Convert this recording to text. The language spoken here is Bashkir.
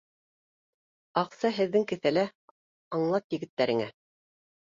Аҡса һеҙҙең кеҫәлә, аңлат егеттәреңә